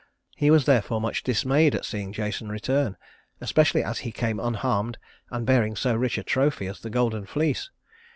He was therefore much dismayed at seeing Jason return, especially as he came unharmed and bearing so rich a trophy as the golden fleece.